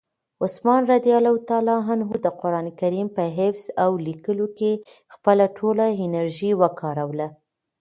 عثمان رض د قرآن کریم په حفظ او لیکلو کې خپله ټوله انرژي وکاروله.